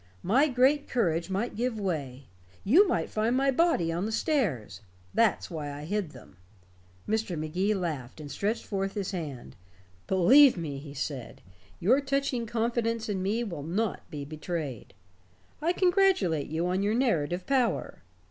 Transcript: My great courage might give way you might find my body on the stairs. That's why I hid them." Mr. Magee laughed, and stretched forth his hand. "Believe me," he said, "your touching confidence in me will not be betrayed. I congratulate you on your narrative power.